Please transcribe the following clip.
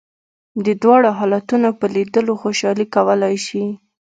د دواړو حالتونو په لیدلو خوشالي کولای شې.